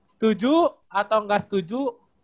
setuju atau gak setuju